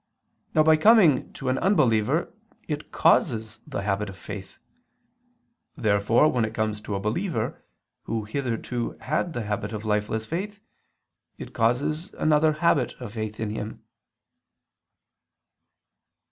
Now by coming to an unbeliever it causes the habit of faith. Therefore when it comes to a believer, who hitherto had the habit of lifeless faith, it causes another habit of faith in him.